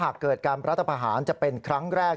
หากเกิดการรัฐพาหารจะเป็นครั้งแรก